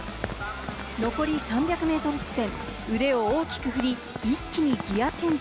残り３００ｍ地点、腕を大きくふり、一気にギアチェンジ。